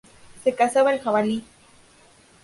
Se cazaba el jabalí.